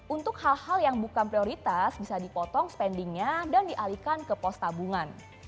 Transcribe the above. untuk hal hal yang bukan prioritas bisa dipotong spendingnya dan dialihkan ke pos tabungan